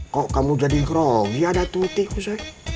kok kamu jadi grogi atah teteh kusoi